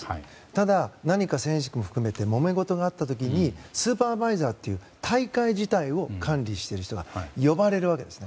ただ、何か選手も含めてもめ事があった時にスーパーバイザーという大会自体を管理している人が呼ばれるわけです。